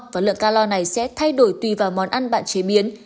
và lượng calor này sẽ thay đổi tùy vào món ăn bạn chế biến